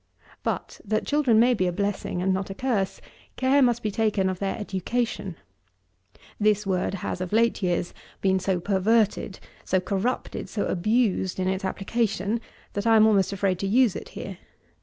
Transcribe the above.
But, that children may be a blessing and not a curse, care must be taken of their education. This word has, of late years, been so perverted, so corrupted; so abused, in its application, that I am almost afraid to use it here.